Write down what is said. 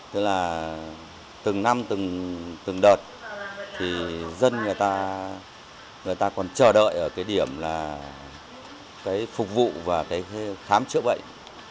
tức là từng năm từng đợt thì dân người ta người ta còn chờ đợi ở cái điểm là cái phục vụ và cái khám chữa bệnh